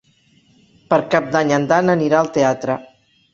Per Cap d'Any en Dan anirà al teatre.